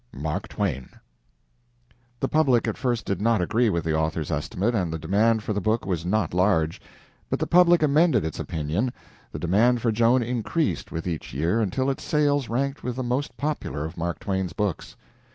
MARK TWAIN." The public at first did not agree with the author's estimate, and the demand for the book was not large. But the public amended its opinion. The demand for "Joan" increased with each year until its sales ranked with the most popular of Mark Twain's books.